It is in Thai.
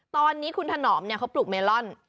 ตอนนี้คุณถนอมเขาปลูกเมลอน